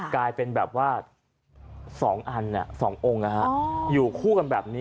กลายเป็นแบบว่า๒อัน๒องค์อยู่คู่กันแบบนี้